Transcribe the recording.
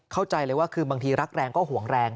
เข้าใจเลยว่าคือบางทีรักแรงก็ห่วงแรง